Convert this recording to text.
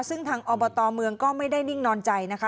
ซึ่งทางอบตเมืองก็ไม่ได้นิ่งนอนใจนะคะ